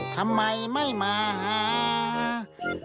ทำไมไม่มาหา